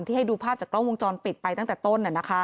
ให้ดูภาพจากกล้องวงจรปิดไปตั้งแต่ต้น